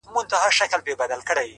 زما سجده دي ستا د هيلو د جنت مخته وي”